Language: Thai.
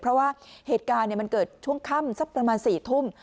เพราะว่าเหตุการณ์มันเกิดช่วงค่ำสักประมาณ๔ทุ่ม